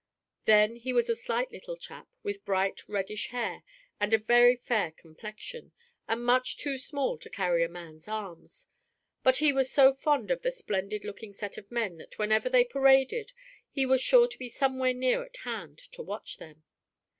Then he was a slight little chap with bright reddish hair and very fair complexion, and much too small to carry a man's arms; but he was so fond of the splendid looking set of men that whenever they paraded he was sure to be somewhere near at hand to watch them.